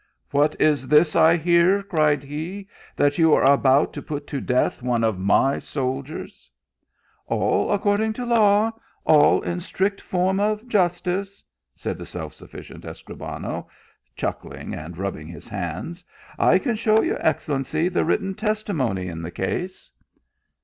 " What is this I hear," cried he, " that you are about to put to death one of my soldiers ?"" All according to law, ail in strict form of jus tice," said the self sufficient Escribano, chuckling and rubbing his hands. " I can show your excel lency the written testimony in the case."